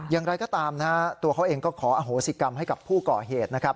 อย่างไรก็ตามนะฮะตัวเขาเองก็ขออโหสิกรรมให้กับผู้ก่อเหตุนะครับ